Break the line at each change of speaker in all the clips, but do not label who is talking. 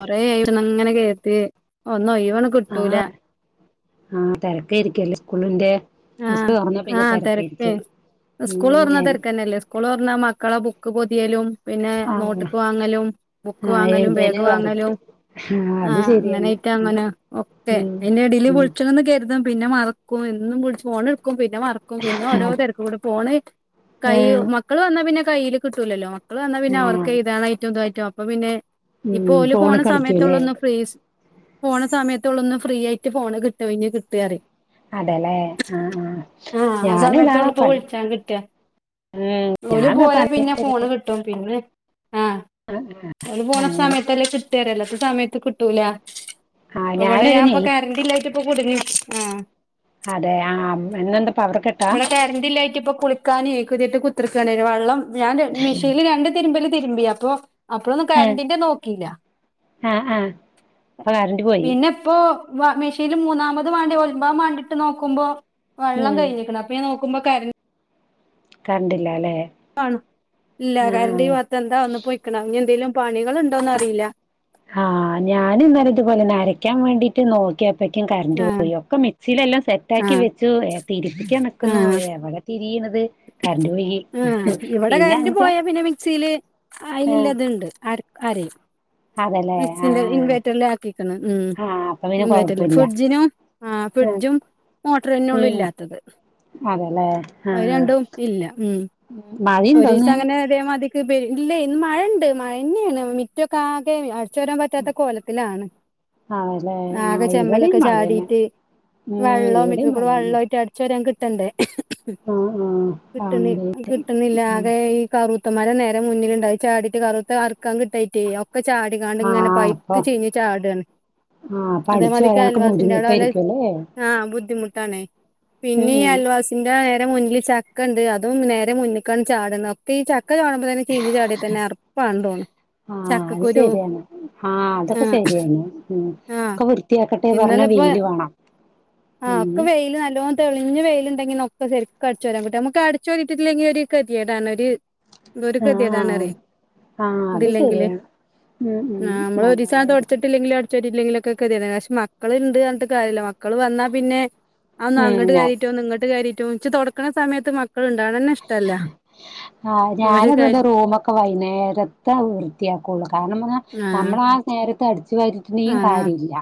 കൊറേയി ഇവ്ട്ന്ന അങ്ങനെ കേത്തി ഒന്നും ഒയ് വൊന്നും കിട്ടൂല
ആ തെരക്കായിരിക്കല്ലേ സ്കൂളിന്റെ സ്കൂൾ
ആഹ്
തുറന്നാ പിന്നെ
ആഹ് തെരക്കേ
തിരക്കായിരിക്കും ഉം
സ്കൂളൊർന്നാ
എ
തെരക്കന്നെല്ലേ. സ്കൂള് തുറന്ന് മക്കളെ ബുക്ക് പൊതിയലും പിന്നെ
ആഹ്
നോട്ട്ക്ക് വാങ്ങലും ബുക്ക്
ആഹ്
വാങ്ങലും
എഴുതല്
ബേഗ്
വരക്ക്
വാങ്ങലും
ആഹ് അത്
ആഹ
ശരിയാണ്
ങ്ങനൊയിട്ടാ അങ്ങനെ ഓക്കെ
ഉം
അയ്ന്റ്ടില്
ഉം
വിളിച്ക്ന്ന് കെരുതും പിന്നെ മർക്കും എന്നും വിളിച്ച് ഫോൺട്ക്കും പിന്നെ മറക്കും കു പിന്നെ ഓരോ
അത്
തെരക്കും കൂടെ ഫോണ് കൈ
ഏഹ്
മക്കള് വന്നാ പിന്നെ കയ്യിയില് കിട്ടൂലല്ലോ? മക്കള് വന്നാ പിന്നെ അവർക്ക്
ആഹ്
എയ്താണയ്റ്റും തായ്റ്റും. അപ്പം പിന്നേ,
ഉം
ഇപ്പൊ ഓലു പോണ
ഫോണ്
സമയതൊള്ള
കളിക്കൂല്ലേ
ഒന്ന് ഫിസ് പോണ സമയത്തോള്ളൂ ഒന്ന് ഫ്രീ ആയിട്ട് ഫോണ് കിട്ട് ഒഴിഞ്ഞ് കിട്ടു റിയും.
അതെല്ലേ ആഹ് ആ.
ആഹ് ആ
ഞാന് ഇതാണ്
സമയത്തോള്ളൂ ഇപ്പോ
പണി.
വിളിച്ചാൻ കിട്ടാ
ഉം
ഓല്
ഞാനാ
പോയാ
പണി [inaudible]
പിന്നെ ഫോണ് കിട്ടും ഓള് പോണ
അങ്ങനെ
സമയത്തല്ലേ കിട്ടേര. അല്ലാത്ത സമയത്ത് കിട്ടൂല.
ആഹ്
പ്പവ്ടെ
ഞാനൊരു
ഞാൻ ഇപ്പൊ
നെയ്
കാരണ്ട് ഇല്ലായിട്ട് ഇപ്പ കുടുങ്ങി. ആ
അതെ ആഹ് ഇന്നെന്താ പവർ കട്ടാ
വ്ടേ കരന്റില്ലായിട്ട് ഇപ്പൊ കുള ക്കാനെ കുതിട്ട് കുത്തിർക്കണ്. ഒരു വള്ളം ഞാൻ മെഷീൻൽ രണ്ട് തിര്മ്പല് തിര്മ്പി. അപ്പോ, അപോഴൊന്നും
ആഹ്
കരണ്ടിന്റെ നോക്കില്ല.
ആഹ് ആഹ് ഇപ്പൊ കറന്റ് പോയി
പിന്നെ ഇപ്പൊ വ മെഷീൽ മൂന്നാമത് വാണ്ടി ഒൽമ്പാ വാണ്ടിട്ട് നോക്കുമ്പോ വെള്ളം
ഉം
കഴിഞ്കണ്. ഇപ്പൊ ഞാ നോക്കുമ്പോ കര്
കര്ണ്ടില്ല ല്ലേ?
ആണ് ഇല്ല കരണ്ട് ഈ ഭാത് എന്താ ഒന്ന് പോയ്ക്കണം. ഇനി എന്തേലും പണികളൾണ്ടോന്ന് അറിയില്ല.
ആഹ് ഞാൻ ഇന്നലെ ഇതുപോലെന്നേ അരയ്ക്കാൻ വേണ്ടിട്ട് നോക്കിയ പ്പേയ്ക്കും കറണ്ട്റ്റ്
ആഹ്
പോയി. ഒക്കെ മിക്സിയിലെല്ലാം സെറ്റാക്കി
ആഹ്
വെച്ചു എ തിരിപ്പിക്കാൻ നിക്കുന്നു. എവിടെ തിരിയിണത്?
ആ ഇവിടെ കരന്റ്
അഞ്ചാ
പോയാ പിന്നെ മിക്സില്
ആഹ്
അയിന്ല്ലത്ണ്ട്. അര അരയും.
അതല്ലേ
മിക്സിന്റെ
ആഹ്
ഇൻവേർട്ടർല് ആക്കിക്ണ് ഉം
ആഹ് അപ്പൊ പിന്നെ
ഇൻവേർട്ടറില്.
കൊഴപ്പല്ല
ഫ്രിഡ്ജിന്, ആ
ആഹ്
ഫ്രിഡ്ജും മോട്ടറിനൊള്ളൂ
ഉം
ഇല്ലാത്തത്.
അതെല്ലേ
അത്
ആഹ്
രണ്ടും ഇല്ല. ഉം
മഴയുണ്ടോന്ന്
ഒരീസം അങ്ങനെ ഇതേ മതിക്ക്, ഇല്ലേ ഇന്ന് മഴ്ണ്ട്. മഴന്നെയാണ് മിറ്റൊക്കെ ആകെ അടി ചു വാരാൻ പറ്റാത്ത കോലത്തിലാണ്.
ആണല്ലേ
ആകെ
ആഹ്
ചെമ്മലൊക്കെ
ഇവിടെയും മഴന്നെ
ചാടിട്ട്,
ഉം
വെള്ളവും
ഇവിടെയും
മിറ്റകൂടെ
മഴന്നെ
വെള്ളയ്ട്ട് അടി ച്ചാരാൻ കിട്ടണ്ടേ.
ആഹ് ആഹ്
കിട്ട്ണ്
ആഹ്
കി ട്ട്ണില്ല ആകെ ഈ കറുത്തമരെ നേരെ മുന്നിൽണ്ടായി. അഹ് ചാടിയിട്ട് കറുത്ത അർക്കാൻ കിട്ടായിട്ടേ ഒ ക്കെ ചാടികാണ്ട് ഇങ്ങനെ പൈയ്ത്ത് ച്ചിഞ്ഞ് ചാടാണ്.
ആ അപ്പൊ
അതേമാതിക്ക്
അടിച്ചുവാരാനൊക്കെ
അയൽവാസിന്റെ അവിടെ ഓലെ
ബുദ്ധിമുട്ടായിരിക്കുംല്ലേ?
ആഹ് ബുദ്ധിമുട്ടാണേ.
ഉം
പിന്നീ
ഉം
അൽവാസ് ഇന്റെ നേരെ മുന്നിൽ ചക്കണ്ട്. അതും നേരെ മുന്നികാണ് ചാടുന്നത്. ഒക്കെ ഈ ചക്ക ചാട [unintelligible] ചീഞ് ചാടിയ തന്നെ അറപ്പാണ്ടോണ്.
ആ അത് ശരിയാണ്. ആഹ് അതൊക്കെ ശരിയാണ്. ഉം
ആഹ്
ഒക്കെ വൃ ത്തിയാക്കട്ടെ പറഞ്ഞ
ഇന്നലെ ഇപ്പോ
വെയില് വേണം.
ആഹ്
ഉം
ഒക്കെ വെയില് നല്ലോം തെളിഞ് വെയില്ണ്ടെങ്കി നമുക്കു ഒക്കെ ശെരിക്കും അടച്ച് വാരാൻ കിട്ട. നമുക്കട്ച്ച് വാരീട്ടില്ലെങ്കിൽ ഒരു കത്യേടാണ്. ഒരു, എന്തൊരു
ആഹ് ആഹ്
കെതിയെടാണറിയോ?
ആഹ് അത്
ഇതില്ലെങ്കില്,
ശരിയാണ് ഉം ഉം
ആഹ് നമ്മള് ഒരീസാ
അങ്ങനായിട്ട്
തൊട്ച്ചിട്ടില്ലെങ്കില് അ [unintelligible] ല്ലെങ്കിലൊക്കെ കതനെ. പക്ഷെ മക്കളുണ്ട് പർഞ്ഞിട്ട് കാര്യല്ല. മക്കൾ വന്നാൽ പിന്നെ അ ഒന്ന്
ഉം
അങ്ങട്
ഞാൻ
കാര്യ റ്റൊ നിങ്ങട്ട് കാരീറ്റും ൻച്ച് തൊടക്ണ സമയത്ത് മക്കളുണ്ടാണ്ന്നെ ഇഷ്
ആഹ് ഞാനത് പോലെ
കര്
റൂമ് ക്ക വൈനേരത്തെ വൃത്തിയാക്കുള്ളു. കാരണം പറഞ്ഞ
ആഹ്
നമ്മള ആ നേരത്തെ അടിച്ചു വാരി ന്നേ
ആഹ്
കാര്യല്ല.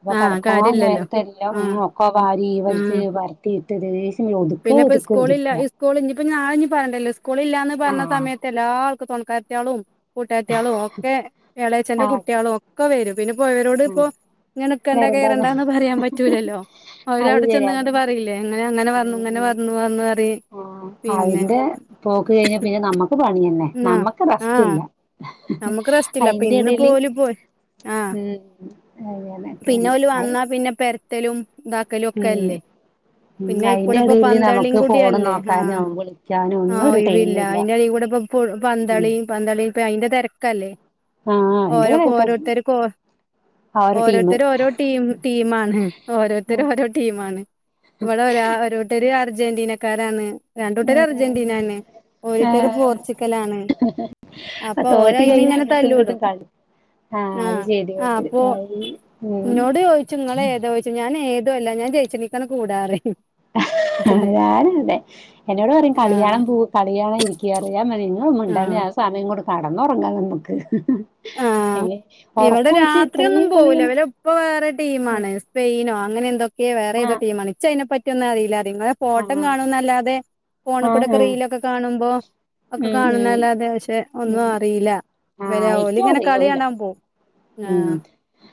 ഇപ്പൊ
ആഹ്
കെടക്കോ
കാര്യല്ലല്ലോ
നേരത്തെല്ലാം
ആഹ്
ഒക്കോ വാരി
ആഹ്
വലിച്ച് തീർത്തതിനേഷം ഒതുക്ക, ഒതുക്ക ഒതുക്ക.
സ്കൂള് ഇഞ്ഞിപ്പ ഞാന്പ വേണ്ടല്ലോ. സ്കൂളില്ലാന്ന് പറഞ്ഞ
ആഹ്
സമയത്ത് എല്ലാ ആൾ തുണിക്കാര്ത്തികളും, കൂട്ടാത്തിയാളും ഒക്കെ എളാേച്ച്ന്റെ
ആഹ്
കുട്ടികളും ഒക്കെ വരും. പിന്നെപോ പോയോരോട്
ആഹ്
ഇപ്പോ [unintelligible] നിക്കണ്ടാ
വെറുതെ
കേറണ്ടാന്ന് പറയാൻ പറ്റൂലല്ലോ. അവര്
അത്
അവിടെ
ശരിയാ
ചെന്ന കണ്ട് പറയില്ലേ. എങ്ങനെ അങ്ങനെ വന്നു ഇങ്ങനെ
ഉം
വന്നു വന്നു പറയും. പിന്നെ
അതിന്റെ പോക്ക് കഴിഞ്ഞ പിന്നെ നമ്മക്ക് പണിയന്നേ.
ആ
നമ്മക്ക്
ആഹ്
റസ്റ്റ്ല്ല.
നമുക്ക് റെസ്റ്റില്ല അപ്പൊ
അയിന്റെ
ഇന്ന്
എടേല്
പോല് പോയി ആഹ്
മ് അങ്ങനൊക്കെണ്.
വന്ന പിന്നെ പെര റ്റലുംതാക്കലും ഒക്കെ
ഉം
അല്ലേ.
ഉം
പിന്നെ
അയിന്റെ
അയ്ക്കൂടെ ഇപ്പ
എടേല്
പന്തളിയും
നമുക്ക് ഫോണ്
കൂടേയല്ലേ
നോക്കാനോ
ആഹ്
വിളിക്കാനോ ഒന്നും
ആഹ്
ഒരു
ഒഴിവില്ല
ടൈമില്ല
അയ്ന്റെടേ കൂടിപ്പം പ്പോൾ
ഉം
പന്തളിയും പന്തളിയും അയിന്റെ തിരക്കല്ലേ
ആഹ് അയിന്റെ
ഓരോക്കും
കണക്കെ
ഓരോരുത്തർക്കും ഓ
ആ ഒരു ടീമ്
ഓരോരുത്തര് ഓരോ ടീം ടീമാണ്. ഓരോരുത്തരോഓരോ ടീമാണ്. ഇവിടെ ഒര ഒരോട്ടര് അർജന്റീനക്കാരാണ്. രണ്ടുട്ടർ അർജന്റീനാണ്. ഒരോട്ടർ
ഏഹ്
പോർച്ചുഗലാണ് അപ്പൊ ഓ
തോറ്റ്
അയിന്
കഴിഞ്ഞ
ഇങ്ങനെ
അങ്ങട്ടും ഇങ്ങട്ടും
തല്ലൂടും.
കളി അത്
ആഹ് ആഹ്
ശെരിയാണ്
അപ്പൊ
ഉം
നിന്നോട് ചോയ്ച്ചും നങ്ങളെ ഏതാ ചോയ്ച്ചു ഞാൻ ഏത് അല്ല ഞാൻ ജയിച്ണീക്കാ കൂടാറിം
ഞാന് അങ്ങനെ എന്നോട് പറയും
ആഹ്
കളിയാണം പോ കളിയാണം ഇരിക്ക ഞാൻ പറയും നിങ്ങളൊന്ന്
ആഹ്
മിണ്ടാതെ സമയം കൂടെ കടന്ന ഉറങ്ങാ നമ്മക്ക്.
ആഹ്
അല്ലെ ഉറക്ക ഒഴിച്ച് ഇത്രയും കളിയാണ്.
ഇപ്പൊ വേറെ ടീമാണ് സ്പെയിനോ അങ്ങനെ എന്തൊക്കെ വേറെ ഏതോ
ആഹ്
ടീമാണ് ഇച്ചാ അയ്നെ പറ്റിയൊന്നും അറിയില്ല പറയും ഫോട്ടോം
ആഹ്
കാണുംന്നല്ലാതെ ഫോണ്
ആഹ്
കൂടെക്കെ
ആഹ്
റീലൊക്കെ കാണുമ്പോ ഒക്കെ
ഉം ഉം
കാണുന്നല്ലത പക്ഷെ ഒന്നും
ഉം
അറിയില്ല
ആഹ്
ഇവലെഓലി
എനിക്കറിയൂല
കളിക്കാണാൻ പോവും
ഉം
ആഹ്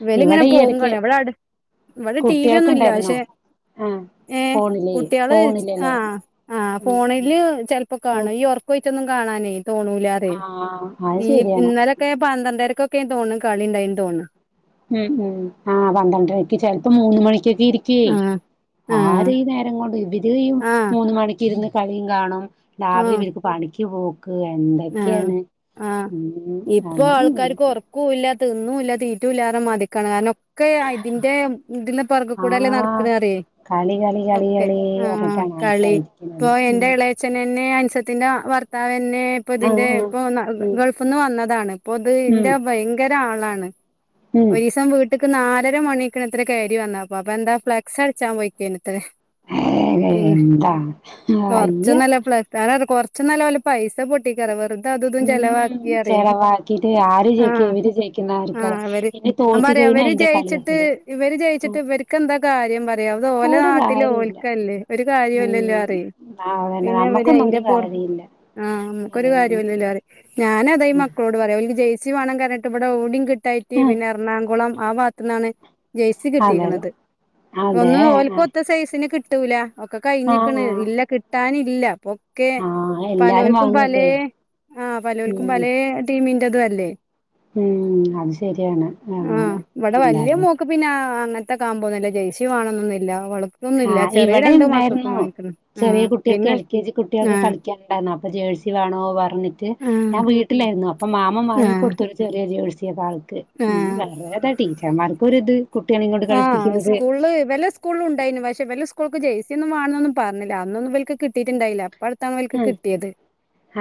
ഇവല് ഇങ്ങനെ
ഇവിടെ ഈ
പോകും
എടക്ക്
കളി ഇവിടെ അടു ഇവിടെ ടി വി ഒന്നുംല്ല
കുട്ടികൾക്കുണ്ടായിരുന്നോ
പക്ഷെ
ആഹ്
ഏഹ്
ഫോണിലേ
കുട്ടികള്
ഫോണിലല്ലേ
ആഹ് ആഹ്
ഉം
ഫോണില് ചെലപ്പോ
ഉം
കാണും ഈ ഉറ ക്കോയിറ്റൊന്നും കാണാനേ തോണൂലാറി
ആഹ് അത്
ഈ
ശരിയാണ്
ഇന്നലെ പന്ത്രണ്ടരക്കൊക്കെ തോന്ന്ണ് കളിണ്ടായന് തോന്നും.
ഉം ഉം ആഹ് പന്ത്രണ്ടരക്ക് ചിലപ്പോ മൂന്ന് മണിക്കൊക്കെ ഇരിക്കേ.
ആഹ് ആഹ്
ആര് ഈ നേരം കൊണ്ട് ഇവരയും
ആഹ്
മൂന്നു മണിക്ക് ഇരുന്ന് കളിയും കാണും.
ആഹ്
രാവിലെ വൽക് പണിക്ക് പോക്ക്
ആഹ്
എന്തൊക്കെയാണ് ഉം അങ്ങനെന്നെണ്
ക്കും ഇല്ല തിന്നുല്ല തീറ്റും ഇല്ലാ പറഞ്ഞ മതിരിക്കാണ് കാരണം ഒക്കെയാ ഇതിന്റെ ഇതിന്റെ പുറകെ കൂടെല്ലേ
ആഹ്
നടക്ണ അറിയേ
കളി കളി കളി
ഓക്കെ
കളി
ആഹ്
പറഞ്ഞിട്ടാണ്
കളി
ആൾക്കാര് ഇരിക്കുന്നത്
ഇപ്പൊ
ഉം
എന്റെ എളേ ച്ഛനന്നെ അൻസത്തിന്റെ ഭർത്താവന്നെ പ്പൊതിന്റെ
ആഹ്
ഇപ്പൊ
ആഹ് ഉം
ഗൾഫിന്ന് വന്നതാണ് ഇപ്പൊ ഇത് ഇന്റെ
ഉം
ഭയങ്കര ആളാണ്.
ഉം
ഒരീസം വീട് ട്ട്ക്ക് നാലര മണിക്ക്നത്ര കയറി വന്നാപ്പ അപ്പൊ എന്താ ഫ്ലെക്സ്ടിച്ചാൻ പോയിക്കനെത്ര പിന്നെ
എന്താ
കൊറച്ച
അയ്യ
ന്നല്ല ഫ്ലക്സ് കൊറച്ച നല്ല ഓലെ പൈസ പൊട്ടി ച്ച്റ വെറുത അതും
ഉം
ഇതുംചിലവാക്കിറയ്
ചെലവാക്കിട്ട് ആര് ജയിക്കും
ആഹ്
ഇവര് ജയിക്കുന്ന ആർക്കറിയാം
ആഹ് വര്
പിന്നെ
ഞാൻ
തോറ്റ്
പറയാ
കഴിഞ്ഞാ
അവര്
അയിന്റെ
ജയിച്ചിട്ട്
കളിയാക്കല്
ഇവര് ജയിച്ചിട്ട് ഇവർക്ക്ന്താ കാര്യം പ റിയാ അത് ഓല
ഒരു
നാട്ടില്
കാര്യല്ല
ഓൽക്കല്ലേ ഒരു
ഉം
കാര്യല്ലല്ലോറിയെ
അതന്നെ
പിന്നെ ഇവര്
നമ്മക്കൊന്നും ഒരു
അയിന്റെറ പൊ
കാര്യല്ല
ആഹ് നമൊക്കൊരു
ഏഹ്
കാര്യല്ലല്ലേറയും. ഞാന് അത ഈ
ഉം
മക്കളോട് പറയാ ജയ് സി വേണന്ന് പറഞ്ഞിട്ട് ഇവിടെ എവിടിം കിട് ട്ടായിട്ട്
ഉം
പിന്നെ എറണാകുളം ആഹ് ഭാത്ത്ന്നാണ് ജേഴ്സി
അതെല്ലോ
കിട്ടിക്കണത്
അതെ
ഒന്നും ഓല്ക്കൊത്ത സൈസിന് കിട്ടൂല ഒക്കെ
ആ
കഴിഞ്ഞിക്ക്ണ്
ആ
ഇല്ല കിട്ടാനില്ല പപ്പൊക്കെ
ആ എല്ലാരും
പലോൽക്കും പലേ
വാങ്ങല്ലേ
ആഹ് പലോൽക്കും
ഉം
പലേ ടീമിന്റെതു ല്ലേ
ഉം അത് ശരിയാണ് അങ്ങനെ എന്താലേ
ക്ക് പിന്നെ അങ്ങൻത്തെ കാമ്പോന്നില്ല ജയ്സി വേണൊന്നുന്നില്ല വൾ
ആഹ് ഇവിടെ ണ്ടായിരുന്നു ചെറിയ
ആഹ്
കുട്ടികൾക്ക്
പിന്നെ
എൽ കെ ജി കുട്ടികൾക്ക്
ആഹ്
കൾ ക്കെണ്ടായിരുന്നു അപ്പൊ ജേഴ്സി വേണോ പറഞ്ഞിട്ട് ഞാൻ
ആഹ്
വീട്ടിലായിരുന്നു അപ്പൊ മാമൻ വങ്ങി
ആഹ്
കൊടുത്ത് ചെറിയ ജോയിസിയ ആൾക്ക് ഉം
ആഹ്
വേറെ താ ടീച്ചർമാർക്കൊരിത് കുട്ട്യേളെയും കൊണ്ട് കളിപ്പിക്കുന്നത്
സ്കൂളും ഉണ്ടായിനു പക്ഷെ ഇവിലെ സ്കൂൾക്ക് ജൈസിയൊന്നുംവാ ണുന്നൊന്നും പറഞ്ഞില്ല അന്നൊന്നും ഇവൽക്ക് കിട്ടിയിട്ടുണ്ടായില്ല ഇപ്പട്ത്താന്നോൽക്ക്
ആ
കിട്ടിയത്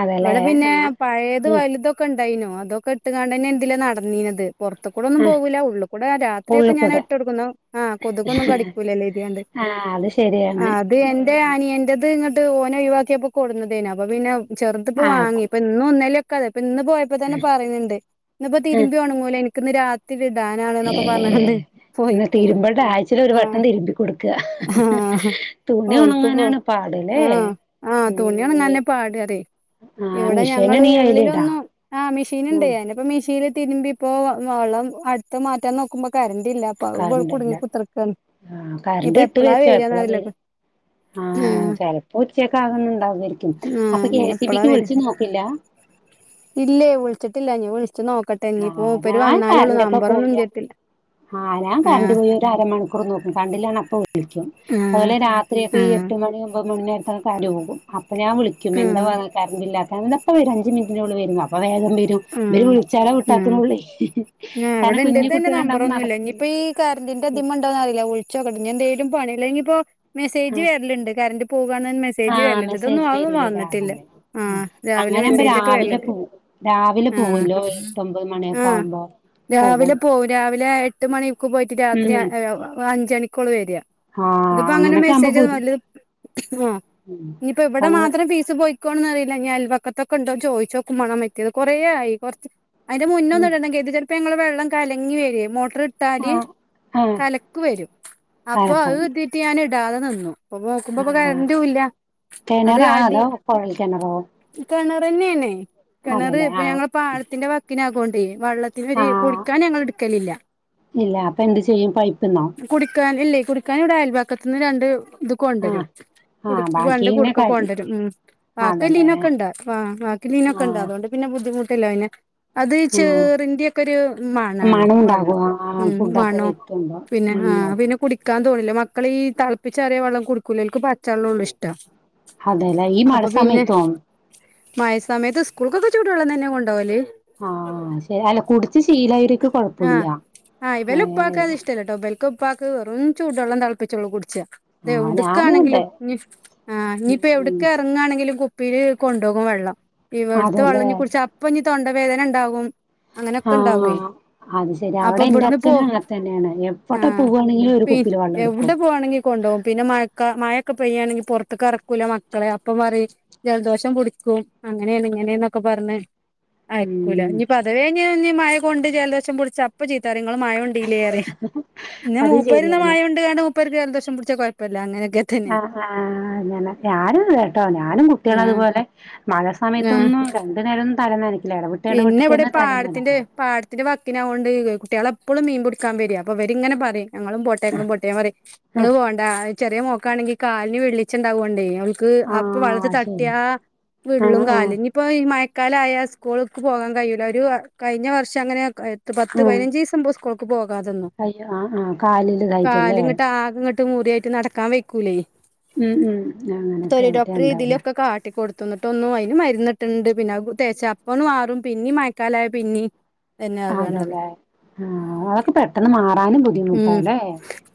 അതെല്ലേ
ഇവിടെ പിന്നെ
ആ
പഴയത് വലുതൊ ക്കെണ്ടായിനു അതൊക്കെ ഇട്ടുകാണ്ടന്നെ ഇതിലെ നടന്നീനത് പൊർത്തുകൂടെന്നും
ആ
പോകൂല്ല ഉള്ളു കൂടെ രാത്രിയൊക്കെ ഞാന്
ഉള്ളിക്കൂടെ
ഇട്ടൊട്ടുക്കുന്നു ആഹ് കൊതുക്കൊന്നും കടിക്കൂലല്ലെർതികാണ്ട്
ആ അത് ശരിയാണ്
ആഹ് അത് എന്റെ അനിയന്റത് ഇങ്ങ ഓന് ഒയിവാക്കിയപ്പൊ കൊട്ന്നതേനു അപ്പൊ പിന്നെ ചെറുതുപ്പോ
ആ
വാങ്ങി ഇപ്പ ഇന്നും ഇന്നേലൊക്കെതെ ഇപ്പ ഇന്ന് പോ ഇപ്പൊ തന്നെ പറിണ് ണ്ട്. ഇന്നിപ്പോ തിരുമ്പി ഒണങ്ങൂലേ എനിക്കിന്ന് രാത്രി യിടാനാണ് ന്നൊക്കെ പർഞ്ഞ്കാണ്ട്
ഇന്ന് തിർമ്പണ്ട ആഴ്ചയിൽ ഒരു വട്ടം തിരുമ്പി കൊടുക്ക
ആഹ്
തുണി
ഓൽക്കിപ്പോ
ഒണങ്ങാനാണ്
ആഹ് ആഹ് തുണിയൊണങ്ങാന്നെ പാട് പറിയേ
ആഹ്
ഇവിടെ ഞങ്ങള്
മിഷീനാണെങ്കി അയിലിടാ
ഉള്ളിലൊന്നും ആഹ് മെഷീൻ ഇണ്ടേ
ഉം
പിന്നെപ്പ മിഷീനിൽ തിരുമ്പി ഇപ്പോ വ വള്ളം അട്ത്തെ മാറ്റാൻ നോക്കുമ്പോ കറന്റില്ല പ്പ [unintelligible] കുട്ങ്ങി
കറണ്ടില്ല
കുത്തർക്കാണ്
ആഹ്
ഇത്
കറണ്ട് ഇട്ട്
എപ്പളാ
വെച്ചോ എപ്പളാ
വെരാന്നറിയില്ല.
വര ആഹ് ചെൽപ്പോ ഉച്ചക്കാകുന്നുണ്ടാവരിക്കും അപ്പൊ
ആഹ്
കെ
ഇനി
സി
എപ്പളാ
ബിക്ക്
വരാ
വിള്ച്ച് നോക്കില്ല
ഇല്ലേ വുള്ച്ചിട്ടില്ല ഇനി വുള്ച്ച് നോക്കട്ടെ ഇനിപ്പം
ആഹ്
മൂപ്പര്
ഞാൻ
വന്നാലുള്ളൂ
കറണ്ടൊക്കെ
നമ്പറൊ ന്നും
പോയി
എന്റെട്ത്തില്ല.
ആഹ് ഞാൻ കർണ്ട് പോയി ഒരു അരമണിക്കൂർ നോക്കും കണ്ടിലാന്ന് അപ്പ വിളിക്കും
ആഹ്
അതുപോലെ രാത് ത്രി ഈ
ആഹ്
എട്ട് മണി ഒമ്പത് മണി [unintelligible] ആഹ് കാര് പോകും അപ്പൊ ഞാൻ വിളിക്കും
ആഹ്
എന്താ
ആഹ്
കരണ്ടില്ലാത്തെ അപ്പെവരും അഞ്ചു മിനിറ്റിനുള്ളിൽ വരും [unintelligible] അപ്പ വേഗം വരും ഇവരെ
ഉം
വിള്ച്ചാലാ [unintelligible]
ആഹ്
കട്ടാക്കണുള്ളേ കാരണം കുഞ്ഞു കുട്ടികളുണ്ടാവുമ്പോ നടക്കി
കർണ്ടിന്റെ ഇതിമുണ്ടോന്നറിയില്ല വുള്ച്ചോകട്ടെ ഇനി എന്തേലും പണിലേ ങ്കിപ്പോ മെസേജ് വെർലുണ്ട് കരണ്ട് പോകാന്നെൻ മെസ്സേജ്
ആഹ്
വെർല്ല്ണ്ട്
മെസ്സേജ്
ഇതൊന്നുംഅതൊന്നും
വരൂല
വന്നിട്ടില്ല
രാവിലെ
ആഹ് രാവിലെ
അങ്ങനാവുമ്പോ
മെസ്സേജൊക്കെ
രാവിലെ
വെർല്ല്ണ്ട്
പോവും രാവിലെ പോവല്ലോ എട്ടൊമ്പത് മണിയൊക്കെ
ആഹ്
ആകുമ്പം
രാവിലെ പോവും രാവിലെ എട്ട് മണിക്ക് പോയിട്ട് രാത്രി
ഉം
അ എ അഞ്ചണിക്കോളളു വെര
ആഹ്
ഇതിപ്പോ അങ്ങനെ
അങ്ങനൊക്കെ ആവുമ്പോ
മെസ്സേജൊന്നും
പോരും
വർല് ആഹ്
ഉം
ഇനിയിപ്പോ ഇവിടെ
അങ്ങ്
മാത്രം ഫീസ് പോയി ക്കോന്ന് അറിയില്ല ഞാ അയൽവക്കത്തൊക്കെണ്ടോ ചോദിച്ചോക്കുമ്മാണം പറ്റിയത് കൊറേ ആയി കൊർച്ച് അയ്ന്റെ മുന്നെ ഒന്ന്
ഉം
ഇടണം കെർതും ചെൽപ്പോ ഞങ്ങളെ വെള്ളം കലങ്ങി വരെ മോട്ട്ർ ഇട്ടാല്
ആഹ് ആഹ്
കലക്ക് വരും അപ്പൊ
കലക്കാം
അതെർദീട്ട് ഞാൻ ഇടാതെ നിന്നു അപ്പൊ നോക്കുമ്പോപ്പൊ
ആഹ്
കർണ്ടും ഇല്ല അത്
കെണറാ
അടി
അതോ കൊഴൽ കെണറോ
കിണറന്നേണെ കിണർ
അതെല്ലേ
ഇപ്പ
ആഹ്
ഞങ്ങ പാടത്തിന്റെ വക്കിനാകോണ്ടേ വള്ളത്തി ത്തിനൊര്
ആഹ്
കുടിക്കാന് ഞങ്ങളെടുക്കലില്ല
ഇല്ല അപ്പൊ എന്ത് ചെയ്യും പൈപ്പ്ന്നോ
കുടിക്കാനില്ലേ കുടിക്കാൻ ഇവിടെ അയൽവക്കത്തിന്ന് രണ്ട് ഇത് കൊണ്ടരും
ആഹ്
കുട്
ആഹ്
വണ്ട്
ബാക്കിന്നെ
കുടുക്ക
കാര്യം
കൊണ്ടരും ഉം
അതെല്ലേ
ബാക്കലീനൊക്കെ ഇണ്ട ആഹ് ബാക്കിലീനൊ
ആഹ്
ണ്ട് പിന്നെ ബുദ്ധിമുട്ടില്ല പിന്നെ അത്
ആഹ്
ചേറിന്റെയൊക്കെരു മണാണ്
മണം ഉണ്ടാകോ
വള്ളം
ആഹ്
ഉം
ഫുഡൊക്കെ
മണോ
വെക്കുമ്പോ
പിന്നെ
ഉം
ആഹ് പിന്നെ കുടി ക്കാൻ തോണില്ല മക്കളീ തള്പ്പിച്ചാറിയ വള്ളം കുടിക്കൂലാ ഓല്ക്ക് പച്ച വെള്ളള്ളോ ഇഷ്ടം
അതെ ല്ലേ ഈ
അപ്പൊ പിന്നെ
മഴസമയത്തോം
മഴ സമയത്ത് സ്കൂൾക്കൊക്കെ ചൂടെള്ളം തന്നെ കൊണ്ടോവല്
ആഹ് ശരി അല്ല കുടിച്ച് ശീലായോർക്ക് കൊഴപ്പല്ല ഏഹ്
ട്ടോ ബൽക്കുപ്പാക്ക് വെറും ചൂടെള്ളം തള്പ്പിചുള്ളൂ കുട്ച്ച തെ
ആഹ് ഞാനും
എവ്ടുക്കാണെങ്കിലും
അതെ
ഇഞ് ആഹ് ഇനിയിപ്പോ
ഉം
എവ്ട്ക്കേറ ങ്ങാണെങ്കിലും കുപ്പിയില് കൊണ്ടോകും വെള്ളം ഇവിട്ത്തെ വള്ളം
അതെല്ലേ
ഇഞ്ഞ് കുട്ച്ച അപ് പ്പഞ്ഞ് തൊണ്ടവേദന ഇണ്ടാവും അങ്ങനെയൊക്കെ ഇണ്ടാവേ
ആഹ് അത് ശെരി അവിടെ എന്റെ അച്ഛനും അങ്ങത്തെന്നെയാണ് എവടെ
ആഹ്
പോവാണെങ്കിലും ഒരു
പി
കുപ്പില് വെള്ളം എട്ക്കും.
എവിടെ പോവാണെങ്കി കൊണ്ടോകും. പിന്നെ മഴക്കാ മഴൊക്കെ പെയ്യാണെങ്കിൽ പൊർത്ത്ക്ക് അറക്കൂല്ല മക്കളെ അപ്പം പറിം ജലദോഷം പുടിക്കും അങ്ങനെയാണ് ഇങ്ങനെയന്നൊക്കെ പറഞ്ഞ ആയ്ക്കൂല
ഉം
ഇനി അഥവേഞ്ഞ് ന് മയകൊണ്ട് ജലദോഷം പിട്ച്ച അപ്പ ചീത്തറിം ങ്ങൾ മയ കൊണ്ടീല്ലേ പിന്നെ
അത്
മുപ്പേരന്നെ
ശരിയാണ്.
മയ കൊണ്ട് കാണ്ട് മുപ്പേർക്ക് ജലദോഷം പിട്ച്ചാ കൊഴ്പ്പല്ല അങ്ങനെയൊക്കെ തന്നെ
ആഹ് ആഹ് ആഹ് ഞാനും കേട്ടോ ഞാനും കുട്ടിയാളും
ആഹ്
അതുപോലെ മഴ
ആഹ്
സമയത്തൊന്നും രണ്ടു നേരും ഒന്നും തലന്നനക്കില്ല എടവിട്ട്
പിന്നെ ഇവിടെ
എടവിട്ടിട്ടന്നെ തല
പാടത്തിന്റെ
നനക്കും
പാടത്തിന്റെ വാക്കിനാവൊണ്ട് കുട്ടികളെപ്പോഴും മീൻ പുടിക്കാൻ വരേ അപ്പൊ ഇവരിങ്ങനെ പറയും ഞങ്ങളും പോട്ടെ ങ്ങളും പോട്ടെ ഞാൻ പറയും
ആഹ്
നിങ്ങള് പോണ്ട ചെറിയ മോക്കാണെങ്കിൽ കാലിന് വെളിച്ചിണ്ടാവോണ്ടേ ക്ക് അപ്പൊ വള്ളത്ത്
ആഹ്
തട്ടിയ
ശരി
വിള്ളും
ആഹ്
കാല്
ആഹ്
ഇനിപ്പോ ഈ മയക്കാലയാ സ് ക്കൂൾക്ക് പോകാൻ കയൂല്ല ഒരു കഴിഞ്ഞ വർഷം അങ്ങനെ എട്ട് പത്ത്
ആഹ്
പയ്നഞ്ചീസം വള് ക്കൂൾക്ക് പോകാതന്നു
അയ്യോ ആഹ് ആഹ് കാലില് ഇതായിട്ടല്ലേ
കാല്ങ്ങട്ട് ആകങ്ങട്ട് മുറിയായിട്ട് നടക്കാൻ വെയ്ക്കൂലേ
ഉം ഉം അങ്ങനൊക്കെ
തൊലി
ആയിട്ട്
ഡോക്ടർ
എന്താവുല്ലേ
ഇതിലൊക്കെ കാട്ടി കൊടു ത്തു ന്നട്ടൊന്നും അയ്ന് മരുന്ന്ട്ട്ണ്ട് പിന്നെ അത് തേച്ച അപ്പം ഒന്നു മാറും പിന്നിം മയക്കാലായ പിന്നിം ഇതന്നെ ആകാണ് പറയും
അതല്ലേ ആ അതൊക്കെ പെട്ടെന്ന് മാറാനും
ഉം
ബുദ്ധിമുട്ടല്ലേ?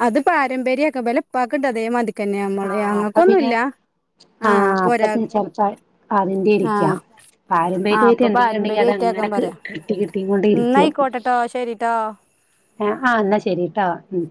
അത് പാരമ്പര്യൊക്കെ ഇവലപ്പാക്ക് ണ്ട് അതേ മാതിരിക്കന്നെ നമ്മള് ഞങ്ങക്കൊന്നുല്ല ആഹ്
ആഹ
അപ്പൊ ഒരാ
അപ്പത്തിന് ചെലപ്പോ അതിന്റെ
ആഹ്
ഇരിക്കാം
ആഹ്
പാരമ്പര്യ
അപ്പൊ
എന്തെങ്കിണ്ടെങ്കിൽ അത്
പാരമ്പര്യായിട്ടാക്കാൻ
അങ്ങനെ
പറയാ
കിട്ടി കിട്ടി കൊണ്ടിരിക്കും
ഇന്നായിക്കോട്ടെട്ടോ ശരിട്ടോ
അ ആ എന്നാ ശരീട്ടോ ഉം.